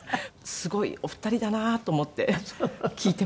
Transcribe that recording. すごいお二人だなと思って聞いていました。